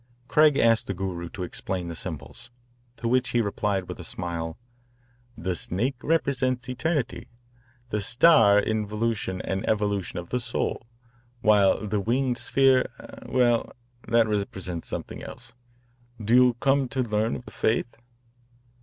Craig asked the Guru to explain the symbols, to which he replied with a smile: "The snake represents eternity, the star involution and evolution of the soul, while the winged sphere eh, well, that represents something else. Do you come to learn of the faith?"